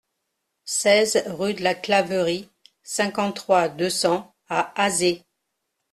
seize rue de la Claverie, cinquante-trois, deux cents à Azé